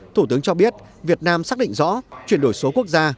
thủ tướng cho biết việt nam xác định rõ chuyển đổi số quốc gia